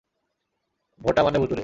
ভোটা মানে ভূতুড়ে।